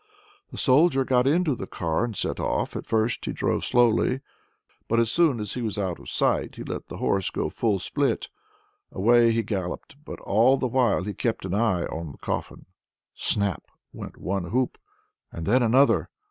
The Soldier got into the car and set off: at first he drove slowly, but as soon as he was out of sight he let the horse go full split. Away he galloped, but all the while he kept an eye on the coffin. Snap went one hoop and then another.